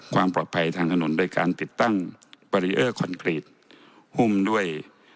ความปลอดภัยทางถนนโดยการติดตั้งบารีเออร์คอนกรีตหุ้มด้วย